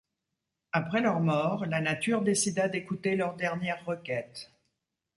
Après leur mort, la nature décida d'écouter leur dernière requête.